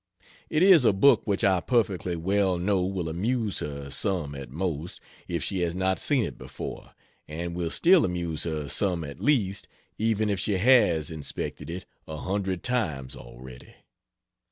It is a book which I perfectly well know will amuse her "some at most" if she has not seen it before, and will still amuse her "some at least," even if she has inspected it a hundred times already.